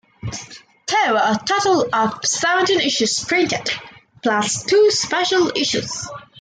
There were a total of seventeen issues printed, plus two special issues.